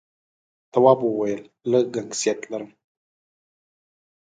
تواب وويل: لږ گنگسیت لرم.